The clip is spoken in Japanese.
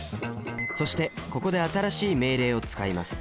そしてここで新しい命令を使います。